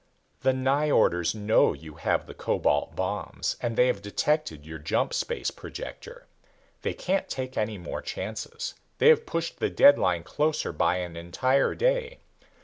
"The Nyjorders know you have the cobalt bombs, and they have detected your jump space projector. They can't take any more chances. They have pushed the deadline closer by an entire day.